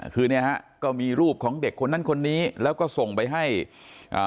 คือเนี่ยฮะก็มีรูปของเด็กคนนั้นคนนี้แล้วก็ส่งไปให้อ่า